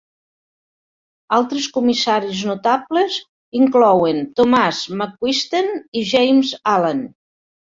Altres comissaris notables inclouen Thomas McQuesten i James Allan.